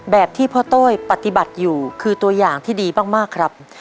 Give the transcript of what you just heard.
ที่พ่อโต้ยปฏิบัติอยู่คือตัวอย่างที่ดีมากครับ